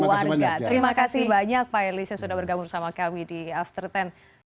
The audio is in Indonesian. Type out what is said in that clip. banyak terima kasih banyak pak elisa sudah bergabung sama kami di after ten